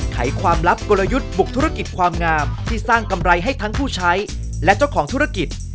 ไขความลับกลยุทธ์บุกธุรกิจความงามที่สร้างกำไรให้ทั้งผู้ใช้และเจ้าของธุรกิจ